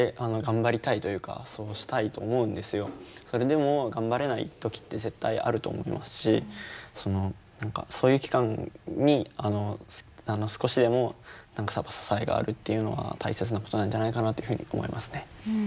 それでも頑張れない時って絶対あると思いますし何かそういう期間に少しでも何か支えがあるっていうのは大切なことなんじゃないかなっていうふうに思いますね。